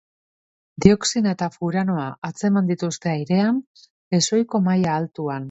Dioxina eta furanoa atzeman dituzte airean, ezohiko maila altuan.